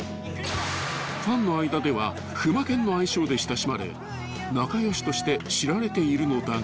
［ファンの間ではふまけんの愛称で親しまれ仲良しとして知られているのだが］